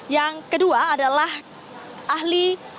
yang kedua adalah ahli